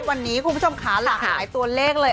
วันนี้คุณผู้ชมค่ะหลากหลายตัวเลขเลย